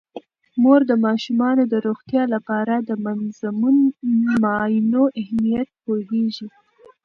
مور د ماشومانو د روغتیا لپاره د منظمو معاینو اهمیت پوهیږي.